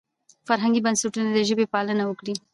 فرهنګي بنسټونه دې د ژبې پالنه وکړي.